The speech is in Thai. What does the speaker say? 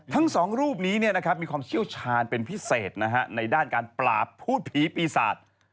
ทั้งสองรูปนี้มีความเชี่ยวชาญเป็นพิเศษในด้านการปราบพูดผีปีศาจ